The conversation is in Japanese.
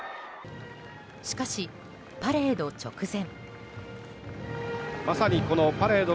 しかし、パレード直前。